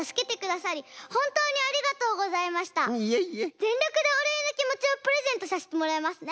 ぜんりょくでおれいのきもちをプレゼントさせてもらいますね。